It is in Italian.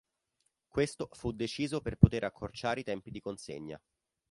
Questo fu deciso per poter accorciare i tempi di consegna.